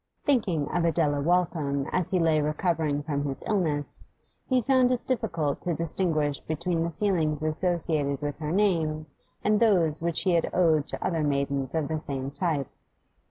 Thinking of Adela Waltham as he lay recovering from his illness, he found it difficult to distinguish between the feelings associated with her name and those which he had owed to other maidens of the same type.